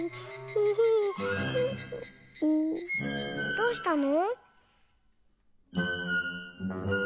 どうしたの？